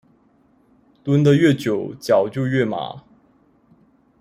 蹲的越久，腳就越麻